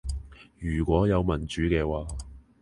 如果有民主嘅話